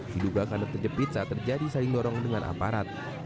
diduga karena terjepit saat terjadi saling dorong dengan aparat